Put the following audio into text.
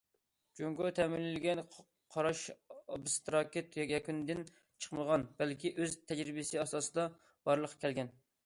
جۇڭگو تەمىنلىگەن قاراش ئابستراكت يەكۈندىن چىقمىغان، بەلكى ئۆز تەجرىبىسى ئاساسىدا بارلىققا كەلگەن.